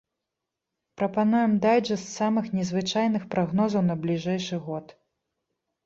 Прапануем дайджэст самых незвычайных прагнозаў на бліжэйшы год.